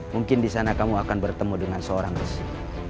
mungkin disana kamu akan bertemu dengan seorang resmi